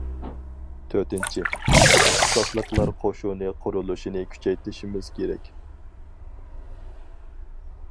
تۆتىنچى، ئىختىساسلىقلار قوشۇنى قۇرۇلۇشىنى كۈچەيتىشىمىز كېرەك.